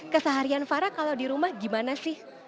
keseharian fara kalau di rumah gimana sih